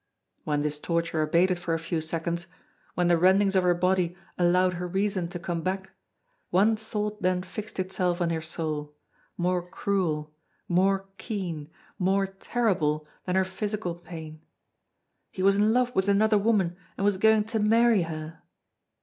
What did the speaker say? When this torture abated for a few seconds, when the rendings of her body allowed her reason to come back, one thought then fixed itself in her soul, more cruel, more keen, more terrible, than her physical pain: "He was in love with another woman, and was going to marry her!"